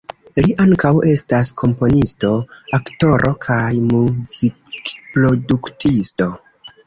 Li ankaŭ estas komponisto, aktoro kaj muzikproduktisto.